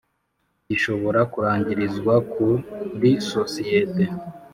Gishobora kurangirizwa kuri sosiyete